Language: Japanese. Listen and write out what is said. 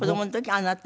あなた？